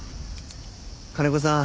金子さん